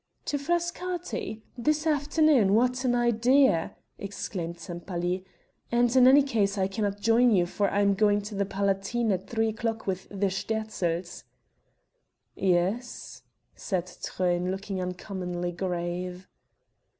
"To Frascati! This afternoon? What an idea!" exclaimed Sempaly; "and in any case I cannot join you for I am going to the Palatine at three o'clock with the Sterzls." "Yes?" said Truyn looking uncommonly grave.